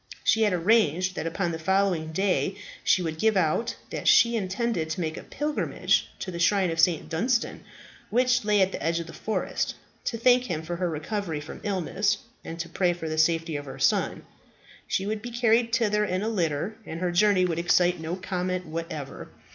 She had arranged that upon the following day she would give out that she intended to make a pilgrimage to the shrine of St. Dunstan, which lay at the edge of the forest, to thank him for her recovery from illness, and to pray for the safety of her son. She would be carried thither in a litter, and her journey would excite no comment whatever.